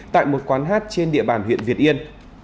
tại một quán hát trên địa bàn huyện việt yên